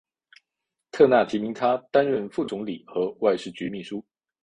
特纳提名他担任副总理和外事局秘书。